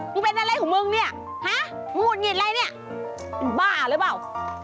มึงเป็นอะไรของมึงเนี่ยห้ะหูดหงิดอะไรเนี่ยเป็นบ้าเลยเปล่า